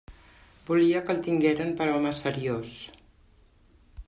Volia que el tingueren per home seriós.